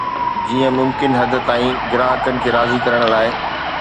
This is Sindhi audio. جيئن ممڪن حد تائين گراهڪن کي راضي ڪرڻ لاء